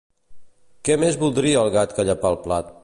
Què més voldria el gat que llepar el plat.